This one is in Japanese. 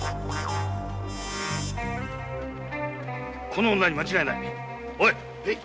この女に間違いない！